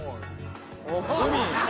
海。